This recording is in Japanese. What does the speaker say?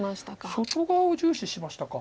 外側を重視しましたか。